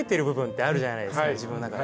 自分の中で。